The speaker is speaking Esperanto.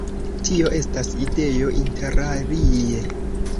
Tio estas ideo, interalie!